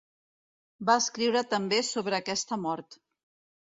Va escriure també sobre aquesta mort.